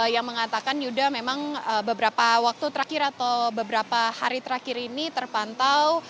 yang mengatakan yuda memang beberapa waktu terakhir atau beberapa hari terakhir ini terpantau